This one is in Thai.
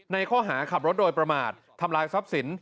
ข้อหาขับรถโดยประมาททำลายทรัพย์สิน